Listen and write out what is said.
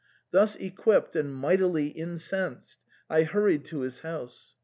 Thus equipped and mightily incensed, I hurried to his house.